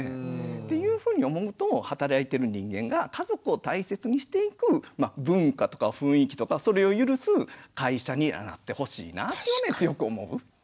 っていうふうに思うと働いてる人間が家族を大切にしていく文化とか雰囲気とかそれを許す会社になってほしいなというのを強く思う。